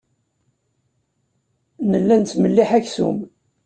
Nella nettmelliḥ aksum.